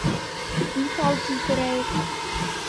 Миҫал килтерәйек.